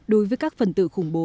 đối với các phần tử khủng bố